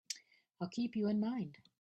I'll keep you in mind.